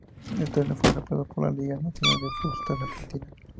El torneo fue reemplazado por la Liga Nacional de Futsal Argentina.